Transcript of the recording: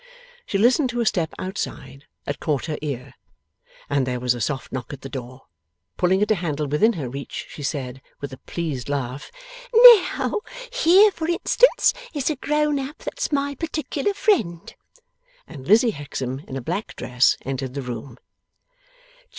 She listened to a step outside that caught her ear, and there was a soft knock at the door. Pulling at a handle within her reach, she said, with a pleased laugh: 'Now here, for instance, is a grown up that's my particular friend!' and Lizzie Hexam in a black dress entered the room.